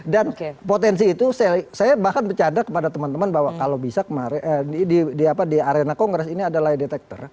dan potensi itu saya bahkan bercanda kepada teman teman bahwa kalau bisa di arena kongres ini ada lie detector